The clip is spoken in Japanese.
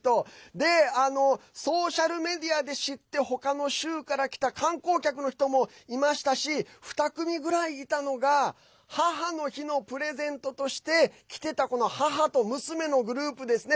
で、ソーシャルメディアで知って他の州から来た観光客の人もいましたし２組ぐらいいたのが母の日のプレゼントとして来てた母と娘のグループですね。